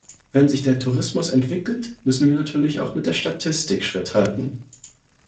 Wenn sich der Tourismus entwickelt, müssen wir natürlich auch mit der Statistik Schritt halten.